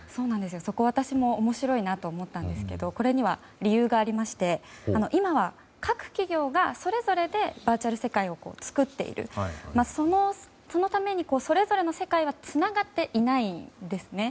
そこ、私も面白いと思ったんですがこれには理由がありまして今は各企業がそれぞれでバーチャル世界を作っている、そのためにそれぞれの世界はつながっていないんですね。